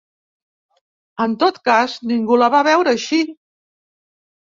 En tot cas, ningú la va veure així.